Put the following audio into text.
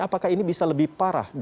apakah ini bisa lebih parah